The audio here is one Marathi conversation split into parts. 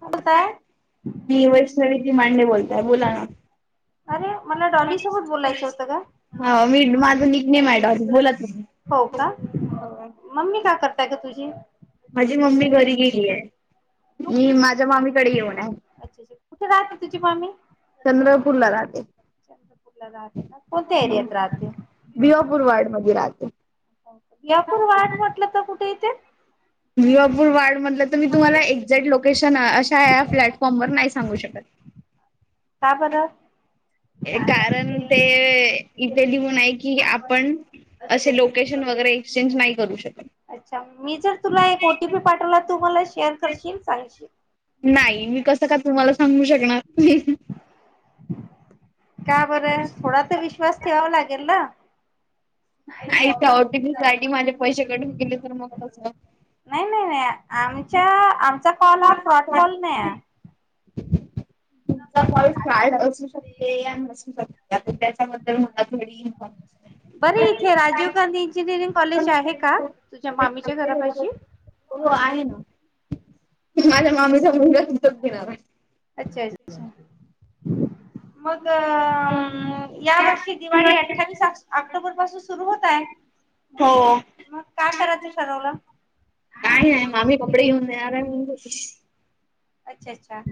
बोलताय मी वैष्णवी मांडे बोलताय बोला ना... अरे मला डॉली सोबत बोलायचं होतं हो मी का? माझं निक नेम आहे डॉली बोला तुम्ही. हो का मम्मी का करताय ग तुझी... माझी मम्मी घरी गेली आहे तू मी माझ्या मामीकडे येऊन आहे. अच्छा अच्छा अच्छ कुठ राहते तूझी मामी.... चंद्रपूर चंद्रपूरला राहते. चंद्रपूरला राहते का? कोणत्या एरियात राहते? बिवापूरवाड मध्ये राहते. यापूर वाट म्हटलं तर कुठे इथे? बिवापूर वाड मधलं तर मी तुम्हाला एक्झॅक्ट लोकेशन अशा या प्लॅटफॉर्मवर नाही सांगू शकत... का बर.... कारण ते.. इथे लिहून आहे कि आपण.... असे लोकेशन वगैरे एक्सचेंज नाही करू शकत. अच्छा मी जर तुला एक ओटीपी पाठवला तू मला शेअर करशील सांगशील. नाही मी कसं का तुम्हाला सांगू शकणार. का बरं थोडा तर विश्वास ठेवावा लागेल ना. नाही त्या ओटीपी सासाठी माझे पैसे कट केले तर मग कसं नाही नाही नाही आमच्या आमचा कॉल ह फ्रॉड कॉल नाही आहे. तुमचा कॉल फ्रॉड असू शकते या नसू शकते. त्यातून त्याच्याबद्दल मला थोडी इन्फॉर्म बर इथे राजीव गांधी इंजिनिअरिंग कॉलेज आहे का तुझ्या मामीच्या घरापाशी. हो आहे ना माझ्या मामीचा मुलगा तिथेच घेणार आहे. अच्छा अच्छा. मग या वर्षी दिवाळी अठ्ठावीस ऑक्टोबर पासून सुरु होत आहे. हो मग काय करायचं ठरवलं काय नाय म. अपऊ आ अच्छा अच्छा.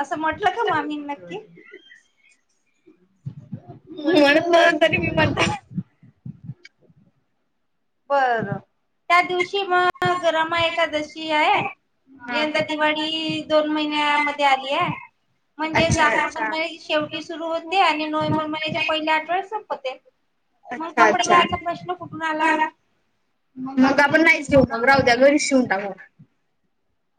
असं म्हटलं का मामीन नक्की. मी म्हणत तरी मी तरी मी म्हणत. बरं त्या दिवशी मग रमा एकादशी आहे. हा. यंदा दिवाळी दोन महिन्या मध्ये आलीय. म्हणजेच अच्छा ऑक्टोबर अच्छा. महिन्याच्या शेवटी सुरू होते आणि नोव्हेंबर महिन्याच्या पहिल्या आठवड्या संपते. मग अच्छा कपडे अच्छा. घ्यायचा प्रश्न कुठून आला. मग आपण नाहीच घेऊ मग राहू द्या घरीच शिवून टाकू.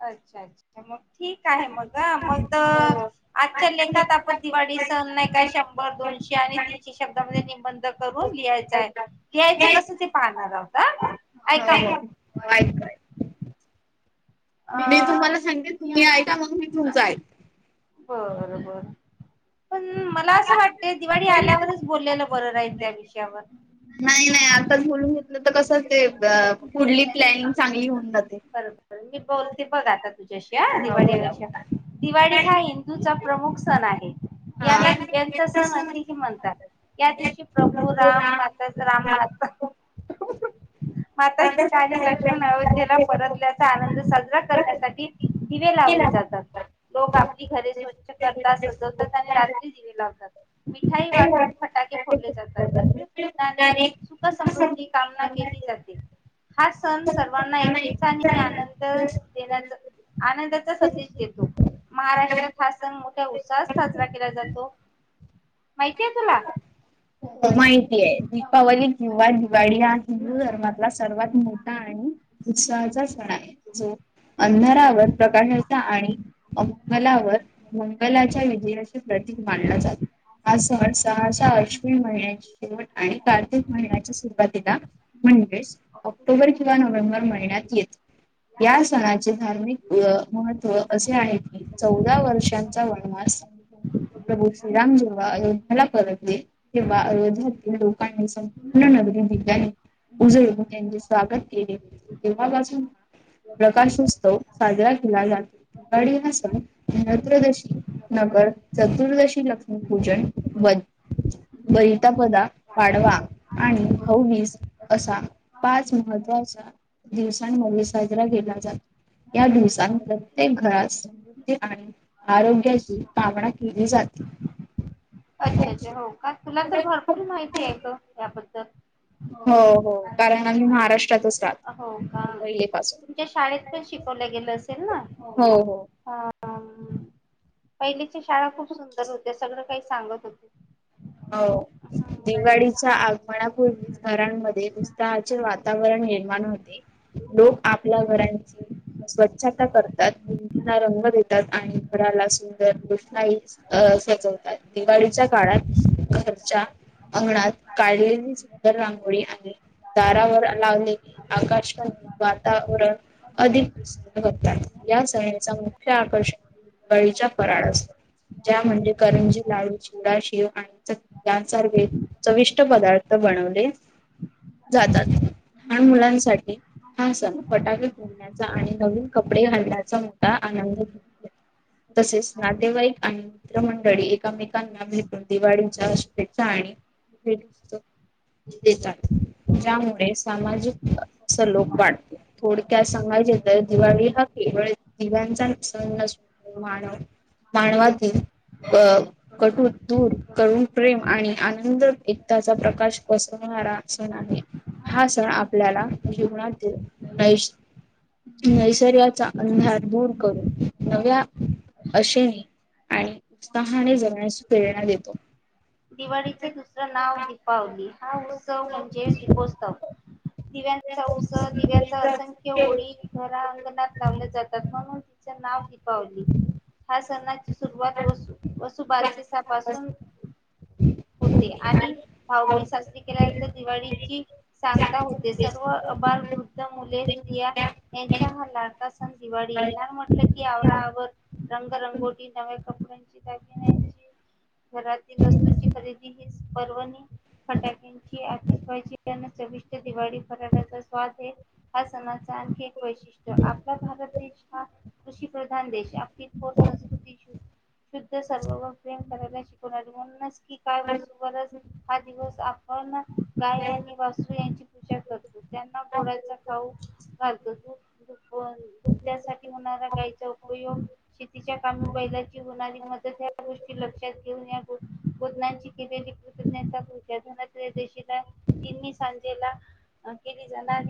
अच्छा अच्छा मग ठीक आहे मग मग. हो. आजच्या लेखात आपण दिवाळी सण नाही का शंभर दोनशे आणि तीन ते शब्दामध्ये निबंध करून लिहायच आहे लिहायचं कस ते पाहणार आहात का? हो व्हय व्हय. मी तुम्हाला सांगेन तुम्ही ऐ का मग मी तुमचं अ आईकेन. बर बर पण मला असं वाटत ते दिवाळी आल्यावरच बोललेल बरं राहील त्या विषयावर नाही नाही आताच बोलून घेतलं तर कसं ते पुढली प्लॅनिंग चांगली होऊन जाते. [unintelligible] बोलते बघ आता तुझ्याशी ह हा बोला दिवाळीे बोला दिवाळी ह्हिंदूचा प्रमुख सण आहे. हा. याला दिव्यांचा सण असेही म्हणतात या दिवशी प्रभू राम माता राम माता माता सीता आणि लक्ष्मण अयोध्येला परतल्याचा आनंद साजरा करण्यासाठी दिवे लावले जातात. लोक आपली घरे स्वच्छ करतात सजवतात आणि रात्री दिवे लावतात. मिठाई वाटून फटाके फोडले जातात लक्ष्मी पूजणाने सुख समृद्धी कामना केली जाते. हा सण सर्वांना एकटीचा आणि आनंद देण्याचा आनंदाचा संदेश देतो. महाराष्ट्रात हा सण मोठ्या उत्साहात साजरा केला जातो. माहितीय तुला. माहिती आहे दीपावली किंवा दिवाळी हा हिंदू धर्मातला सर्वात मोठा आणि उत्साहाचा सण आहे जो अंधरावर प्रकाशाचा आणि अमंगलावर मंगलाच्या विजया प्रतीक मानला जात हा सह सहसहा अश्विन माहीन्या शेवट आणि कार्तिक महिन्याच्या सुरुवातीला म्हणजेच ऑक्टोबर किंवा नोव्हेंबर महिन्यात येतो. या सणाचे धार्मिक महत्त्व असे आहे की चौदा वर्षांचा वनवास संपून प्रभू श्रीराम जेव्हा अयोधेला परतले तेव्हा आयोध्या लोकांनी संपूर्ण नगरी दिव्यणी. उजळऊ त्यांचे स्वागत केले होते तेव्हापासून प्रकाशोत्सव साजरा केला जातो दिवाळी हा सण धनत्रयोदशी नगर चतुर्दशी लक्ष्मी पूजन वं तापदा पाढवा आणि भाऊ बीज असा पाच महत्त्वाचा दिवसांमध्ये साजरा केला जातो. या दिवसत प्रत्येक घरात समृद्धी आणि आरोग्याची कामना केली जाते. अच्छा अच्छा हो का तुला तर भरपूर माहिती आहे ग याबद्दल. हो हो कारण आम्ही महाराष्ट्रातच राहतो हो का पहिली पासून. तुमच्या शाळेत पण शिकवलं गेलं असेल ना. हो हो ह पहिलीच्या शाळा खूप सुंदर होत्या सगळं काही सांगत होते. हो दिवाळीचा आ मनापूर्वीच घरांमध्ये उत्साहाचे वातावरण निर्माण होते. लोक आपल्या घरांची स्वच्छता करतात भिंतींना रंग देतात आणि घराला सुंदर रोषणाई अ सजवतात दिवाळीच्या काळात घरच्या अंगणात काढलेली सुंदर रांगोळी आणि दारावर लावले आकाश कंदील वातावरण अधिक तात या सणीचा मुख्य आकर्षण गळीचा पराळ असतो त्या्या म्हणजे करंजी लाडू चिवडा शेव आणि चकली. यासारखे चविष्ट पदार्थ बनवले. जातात लहान मुलांसाठी हा सण फटाके आणि नवीन कपडे घालण्याचा मोठा आनंद घो. तसेच नातेवाईक आणिित्र मंडळी एकमेकांना दिवाळीच्या शुभेच्छा आणि देतात ज्यामुळे सामाजिक अस लोक वाटते थोडक्यात सांगायचे तर दिवाळी हा केवळ दिव्यांचा मान मानवातील कटून दूर करून प्रेम आणि आनंद एकताचा प्रकाश पसवणारा सण आहे. हा सण आपल्याला जीवनातील न. नैसर्गचा अंधार दूर करून नव्या अेने आणि उत्साहाने जगण्याची प्रेरणा देतो. दिवाळीचं दुसरं नाव दीपावली हा उत्सव म्हणजे दीपोत्सव. दिव्यांचा उत्स दिव्याचा असंख्य ओळी घरा अंगणात लावल्या जातात म्हणून. नाव दपावली हा. सणाची सुरुवात व वसुबारसी पासून. होते आणि भाऊबीर साजरी केल्यानंतर दिवाळीची सांगता होते सर्व अभल वृद्ध मुले स्त्रिया यांचा हा लाडता सण दिवाळी ये म्हटलं की आवरा आवर रंगरंगोटी नव्या कपड्यांची दागिण्याची घरातील वस्तू खरेदी ह पर्वणी. फटाक्यांची अतिषबाजी, सविष्ट दिवाळी फराठ्याचा स्वाद आहे. हा समाजचा आणखी एक वैशिष्ट्य आपला भारत देश हा. कृषी प्रधान देश आपली थोर संस्कृती शुद्ध सर्व प्रे चीक बोल [unintelligible] काय बसूबच हा दिवस आपण गाय आणि वासू यांची पूजा त्यांना गोड्याचा खाऊ घालत. त्यासाठी होणारा गायचा उपयोग शेतीच्या कामी बैलाची होणारी मदत ह्या गोष्टी लक्षात घेऊन या. पनाची केलेली कृतज्ञता पूाशीला तननी सांजेला. केली जाणार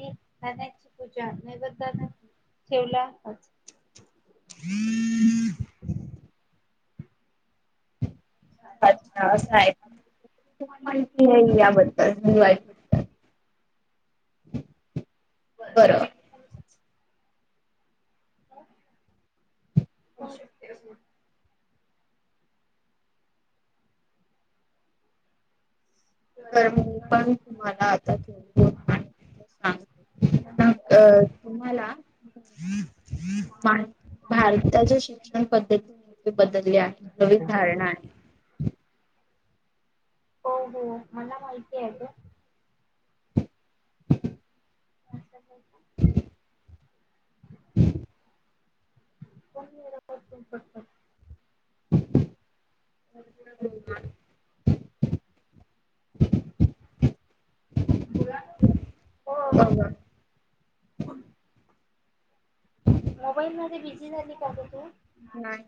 आणिची पूजा नैबद ठेवला. ह. अच्छा असं आहे खूप माहिती आहे याबद्दलहि. बरोबर. हो शक्य अस. तर मी पण तुम्हाला आतानांग ना अ तुम्हाला? मा भारताच्या शिक्षण पद्धती मोठी बदलली आहे नवीन धारणा आहे. हो हो मला माहिती आहे तून [unintelligible] [unintelligible] कोत. हो. बोला. ह ह. मोबाईलमध्येध्ये बिझी झाली का तू तू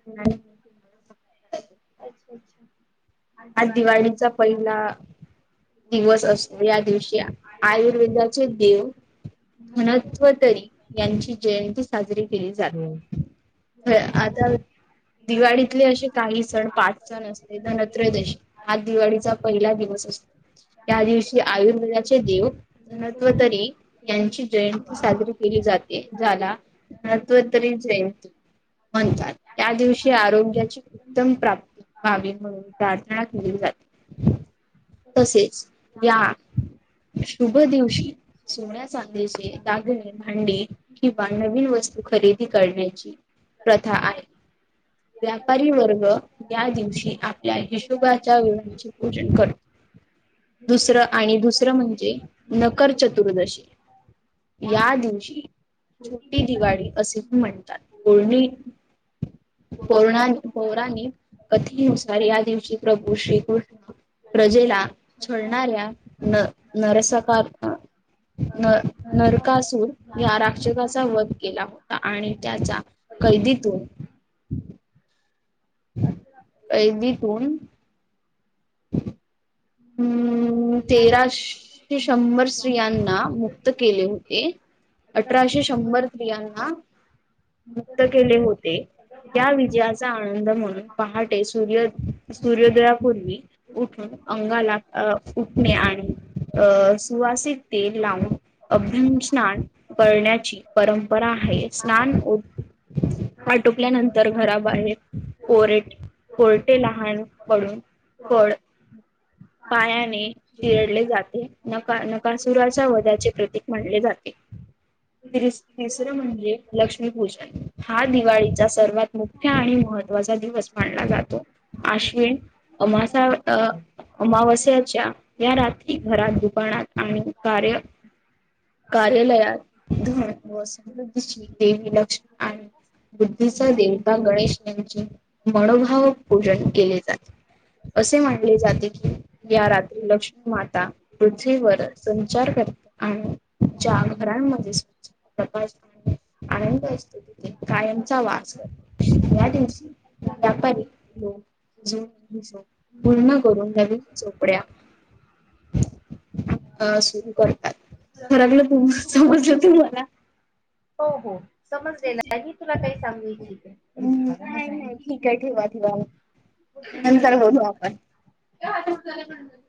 [unintelligible] अच्छा आज अच्छावा. दिवाळीचा पहिला दिवस असतो या दिवशी आयुर्वेदाचे देव म्हणत्व तरी यांची जयंती साजरी केली हम्म. जाते. ह आता गाडी दिवाळीतले असे काही सण पाच सण असते धनत्रयदशी हा दिवाळीचा पहिला दिवस असतो. या दिवशी आयुर्वेदाचे देव धनत्वतरी यांची जयंती साजरी केली जाते. झाला मत्व तरी जयंती म्हणतात त्या दिवशी आरोग्याची उत्तम प्राप्ती व्हावी म्हणून प्रार्थना तसेच या शुभ दिवशी सोन्या चांदीचे दागणे भांडी किंवा, नवीन वस्तू खरेदी करण्याची. प्रथा आहे व्यापारी वर्ग या दिवशी. हिशोबाच्या वेळचे पूजन करत. ु म्हणजे नकर चतुर्दशी [unintelligible] या दिवशी छोटी. दिवाळी असे म्हणतात कोर्णी. पौरण पौराणिक कथेनुसार या दिवशी प्रभू श्रीकृष्ण. प्रजेला छळणाऱ्या न नरसका न नरकासूर या राक्षकाचा वध केला होता, आणि त्याचा. क द तू [unintelligible] अच्छा. एऐलीतून. हम्म [unintelligible] तेराशे शंभर स्त्रयांना मुक्त केले होते. अठराशे शंभर स््रियांना मुक्त केले होते. या विजयाचा आनंद म्हणून पहाटे सूर्य सूर्योदयापूर्वी. उठून अंगाला अ उठणे, आणि अ सुवासित तेल लावून. अभ्य स्नान करण्याची परंपरा आहे स्नान. आटुकल्यानंतर घराबाहेर कोरेट. कोरटे लहान पडून फळ पायाने चिरडले जाते, नका नकासुराच्या वधाचे प्रतीक म्हले जाते. त्रिस-तिसरे म्हणजे लक्ष्मीपूजा हा दिवाळीचा सर्वात मुख्य आणि महत्त्वाचा दिवस मानला जातो. अश्विन अमासा अ अमावास [unintelligible] या रात्री घरात, दुकानात आम्ही कार्य कार्यालयात ध व समृद्धीची देवी लक्ष्मी आणि बुद्धीचा देवता गणेश यांची मनोभाव पूजन केले जाते. असे म्हनले जाते की या रात्री लक्ष्मी माता पृथ्वीवर संचार करते आणि [unintelligible] [unintelligible] या दिवशी व्यापारी ज पूर्ण. [unintelligible] करून नवीन चोपड्या अ सुरू करतात. फरकलं तु समजलं तुम्हाला? हो हो. समजलेलं आहे. मी तुला काही सांगू इच्छिते. हम्म नाही नाही ठीक आहे ठेवा ठेवा नंतर बोलू आपण. [unintelligible]